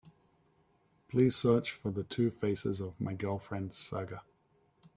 Please search for the Two Faces of My Girlfriend saga.